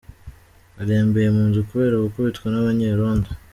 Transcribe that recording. Arembeye mu nzu kubera gukubitwa n’abanyerondo